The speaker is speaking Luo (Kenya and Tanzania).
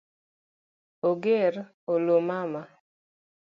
Ong’er olo mama